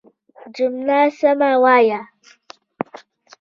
جمله سمه وايه!